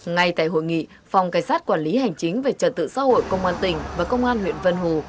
ngay tại hội nghị phòng cảnh sát quản lý hành chính về trật tự xã hội công an tỉnh và công an huyện vân hồ